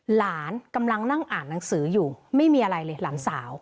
หลานกำลังนั่งอ่านหนังสืออยู่ไม่มีอะไรเลยหลานสาว